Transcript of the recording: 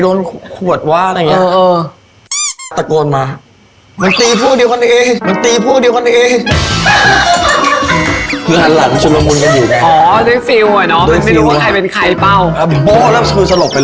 อีกหนึ่งเรื่องค่ะสุดเหมือนกันเพิ่งทราบเหมือนกันว่าเป๊กวงซิล